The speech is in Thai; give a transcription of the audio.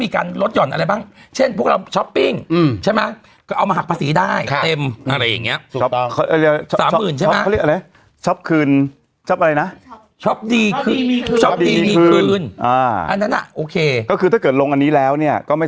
มันเห็นผลจนคนเขาพูดว่าเฮ้ยมันจะดีมาก